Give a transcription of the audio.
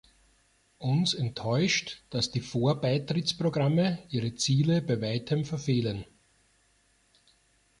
Uns enttäuscht, dass die Vorbeitrittsprogramme ihre Ziele bei weitem verfehlen.